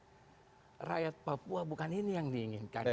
kekayaan papua bukan ini yang diinginkan